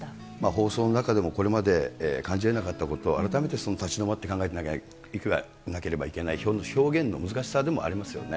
放送の中でもこれまで感じえなかったことを改めて立ち止まって考えていかなければいけない、表現の難しさでもありますよね。